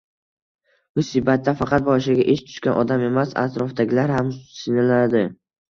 Musibatda faqat boshiga ish tushgan odam emas, atrofdagilar ham sinaladi.